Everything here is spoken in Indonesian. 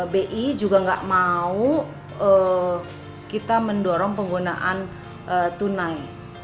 bi juga nggak mau kita mendorong penggunaan tunai